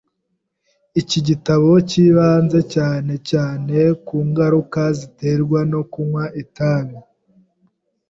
Iki gitabo cyibanze cyane cyane ku ngaruka ziterwa no kunywa itabi.